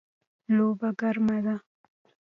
لوبه ګرمه ده